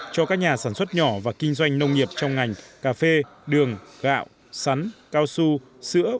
cho các nhà sản xuất nhỏ và kinh doanh nông nghiệp trong ngành cà phê đường gạo sắn cao su sữa